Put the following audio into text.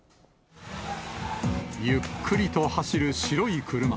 ゆっくりと走る白い車。